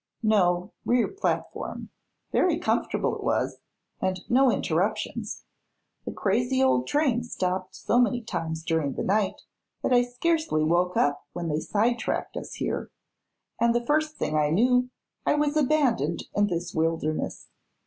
"No; rear platform. Very comfortable it was, and no interruptions. The crazy old train stopped so many times during the night that I scarcely woke up when they sidetracked us here, and the first thing I knew I was abandoned in this wilderness.